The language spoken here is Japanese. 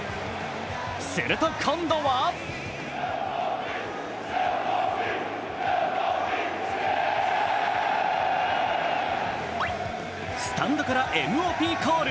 すると今度はスタンドからＭＯＰコール。